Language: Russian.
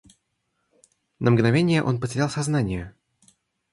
На мгновение он потерял сознание.